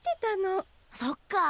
そっか。